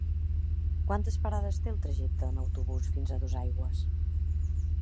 Quantes parades té el trajecte en autobús fins a Dosaigües?